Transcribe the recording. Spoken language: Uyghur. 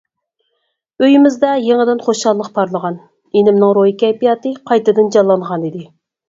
ئۆيىمىزدە يېڭىدىن خۇشاللىق پارلىغان، ئىنىمنىڭ روھىي كەيپىياتى قايتىدىن جانلانغانىدى.